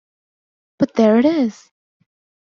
But there it is!